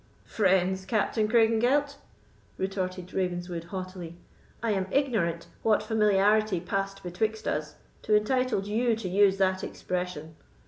"Friends, Captain Craigengelt!" retorted Ravenswood, haughtily; "I am ignorant what familiarity passed betwixt us to entitle you to use that expression.